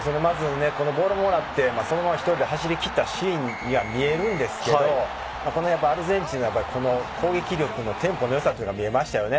ボールもらって、そのまま１人で走りきったシーンには見えるんですけど、このやっぱアルゼンチンの攻撃力のテンポの良さが見えましたよね。